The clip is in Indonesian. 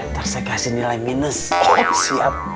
ntar saya kasih nilai minus siap